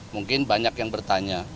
mungkin banyak yang bertanya